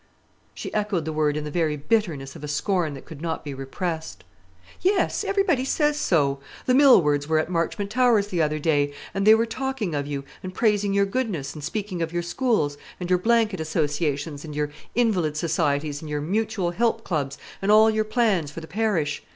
She echoed the word in the very bitterness of a scorn that could not be repressed. "Yes; everybody says so. The Millwards were at Marchmont Towers the other day, and they were talking of you, and praising your goodness, and speaking of your schools, and your blanket associations, and your invalid societies, and your mutual help clubs, and all your plans for the parish.